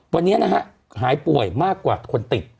วันนี้นะฮะหายป่วยมากกว่าคนติด